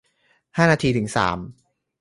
ห้านาทีถึงสาม